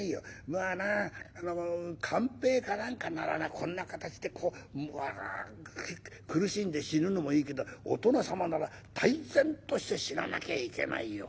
まあな勘平か何かならなこんな形して苦しんで死ぬのもいいけどお殿様なら泰然として死ななきゃいけないよ。